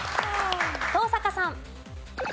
登坂さん。